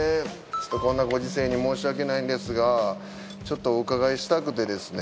ちょっとこんなご時世に申し訳ないんですがちょっとお伺いしたくてですね。